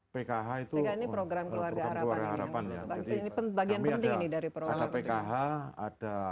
pkh itu program keluarga harapan ya